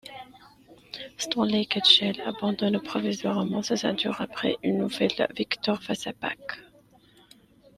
Stanley Ketchel abandonne provisoirement sa ceinture après une nouvelle victoire face à Papke.